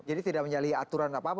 jadi tidak menyalih aturan apa apa